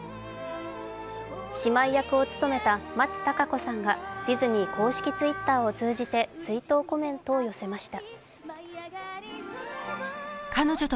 姉妹役を務めた松田たか子さんがディズニー公式Ｔｗｉｔｔｅｒを通じて追悼コメントを寄せました。